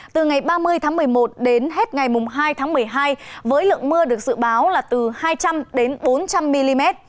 từ ngày ba mươi tháng một mươi một đến hết ngày hai tháng một mươi hai với lượng mưa được dự báo là từ hai trăm linh bốn trăm linh mm